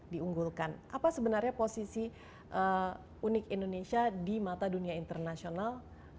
diunggulkan apa sebenarnya posisi unik indonesia di mata dunia internasional